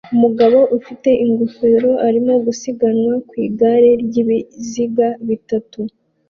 Umugabo ufite ingofero arimo gusiganwa ku igare ryibiziga bitatu